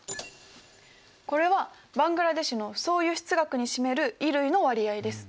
これはバングラデシュの総輸出額に占める衣類の割合です。